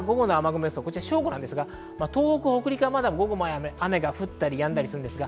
正午ですが、東北・北陸はまだ午後も雨が降ったりやんだりです。